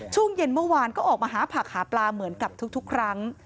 ช่วงเย็นเมื่อวานก็ออกมาหาผักหาปลาเหมือนกับทุกครั้ง